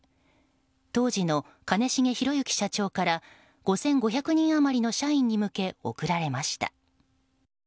当時の兼重宏行社長から５５００人余りの社員へ向け送られました。